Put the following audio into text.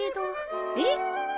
えっ？